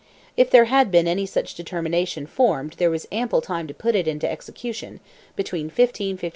If there had been any such determination formed there was ample time to put it into execution between 1553 and 1558.